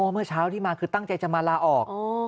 เมื่อเช้าที่มาคือตั้งใจจะมาลาออก